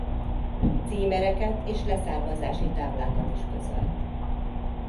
Címereket és leszármazási táblákat is közölt.